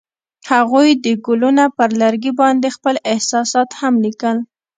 هغوی د ګلونه پر لرګي باندې خپل احساسات هم لیکل.